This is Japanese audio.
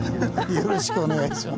よろしくお願いします。